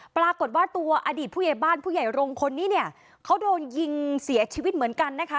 ปรากฏว่าตัวอดีตผู้ใหญ่บ้านผู้ใหญ่รงคนนี้เนี่ยเขาโดนยิงเสียชีวิตเหมือนกันนะคะ